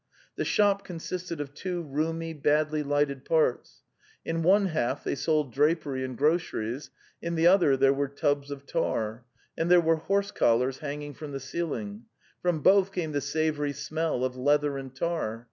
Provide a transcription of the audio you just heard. The shop consisted of two roomy, badly lighted parts; in one half they sold drapery and groceries, in the other there were tubs of tar, and there were horse collars hanging from the ceiling; from both came the savoury smell of leather and tar.